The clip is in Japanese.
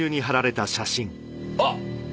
あっ。